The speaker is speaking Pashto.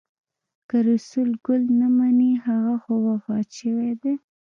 که رسول ګل نه مني هغه خو وفات شوی دی.